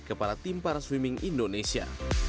kepada tim para swimming indonesia